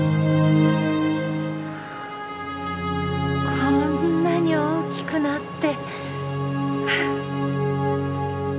こんなに大きくなって。